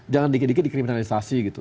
jangan dikit dikit dikriminalisasi gitu